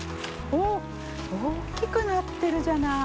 おおっきくなってるじゃない！